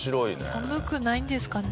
寒くないんですかね？